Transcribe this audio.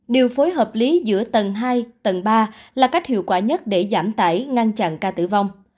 điều phối hợp lý giữa tầng hai tầng ba là cách hiệu quả nhất để giảm tải ngăn chặn ca tử vong